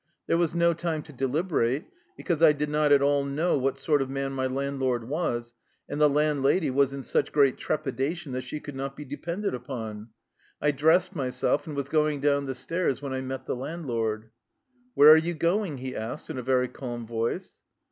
There was no time to delib erate, because I did not at all know what sort of man my landlord was, and the landlady was in such great trepidation that she could not be de pended upon. I dressed myself, and was going down the stairs when I met the landlord. " Where are you going? " he asked in a very calm voice.